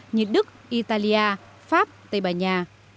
như đức italia pháp tây ban nha